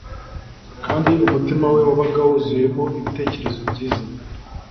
kandi umutima we wabaga wuzuyemo ibitekerezo byiza.